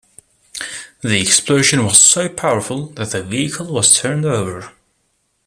The explosion was so powerful that the vehicle was turned over.